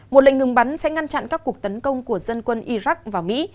một lệnh ngừng bắn sẽ ngăn chặn các cuộc tấn công của dân quân iraq vào mỹ